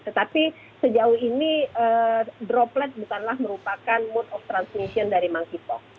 tetapi sejauh ini droplet bukanlah merupakan mode of transmission dari monkey pop